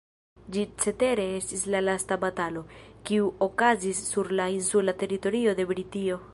Ĝi cetere estis la lasta batalo, kiu okazis sur la insula teritorio de Britio.